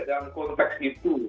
tidak dalam konteks itu